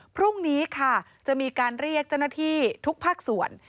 พรุ่งนี้ค่ะจะมีการเรียกเจ้าหน้าที่ทุกภาคส่วน